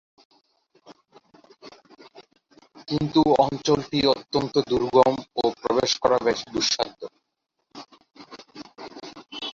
কিন্তু অঞ্চলটি অত্যন্ত দুর্গম ও প্রবেশ করা বেশ দুঃসাধ্য।